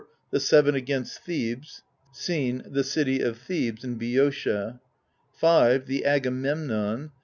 The Seven against Thebes. Scene^ the City of Thebes in Boeotia, I V. The Agamemnon.